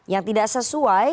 yang tidak sesuai